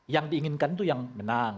yang diinginkan itu yang menang